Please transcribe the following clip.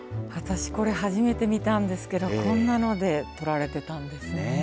私これ初めて見たんですけれどこんなので撮られてたんですね。